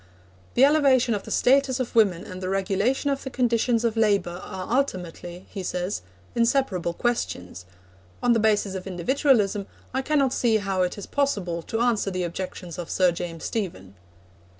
'The elevation of the status of women and the regulation of the conditions of labour are ultimately,' he says, 'inseparable questions. On the basis of individualism, I cannot see how it is possible to answer the objections of Sir James Stephen.'